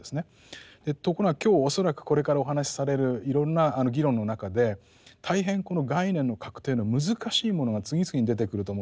ところが今日恐らくこれからお話しされるいろんな議論の中で大変この概念の確定の難しいものが次々に出てくると思うんです。